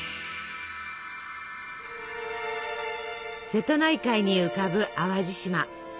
瀬戸内海に浮かぶ淡路島。